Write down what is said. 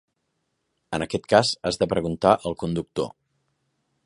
En aquest cas has de preguntar al conductor.